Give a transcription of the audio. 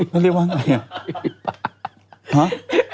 แล้วเรียกว่าไงเนี่ย